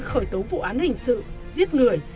khởi tố vụ án hình sự giết người